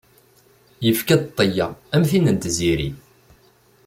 Yefka-d ṭṭya, am tin n tziri.